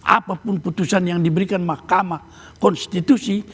apapun putusan yang diberikan mahkamah konstitusi